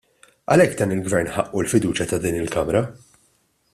Għalhekk dan il-Gvern ħaqqu l-fiduċja ta' din il-Kamra.